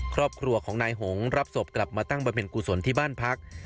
ครอบครัวของนายหงรับศพกลับมาตั้งบำเพ็ญกุศลที่บ้านพัก